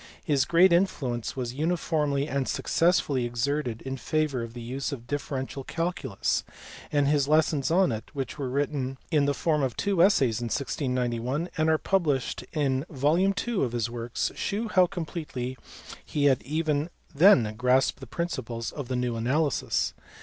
His great influence was uniformly and successfully exerted in favour of the use of the differential cal culus, and his lessons on it, which were written in the form of two essays in 1691 and are published in volume n. of his works, shew how completely he had even then grasped the principles of the new analysis.